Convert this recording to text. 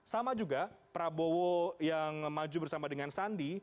sama juga prabowo yang maju bersama dengan sandi